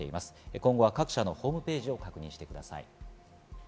今後は各社のホームページを確認してください。